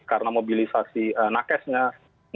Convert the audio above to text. karena mobilisasi nakesnya mobilisasi kesehatan